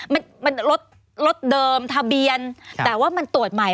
มันมันรถรถเดิมทะเบียนแต่ว่ามันตรวจใหม่